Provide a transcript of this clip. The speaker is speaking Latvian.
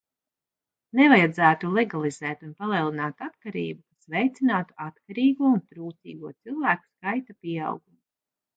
Nevajadzētu legalizēt un palielināt atkarību, kas veicinātu atkarīgo un trūcīgo cilvēku skaita pieaugumu.